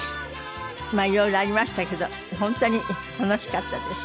まあいろいろありましたけど本当に楽しかったです。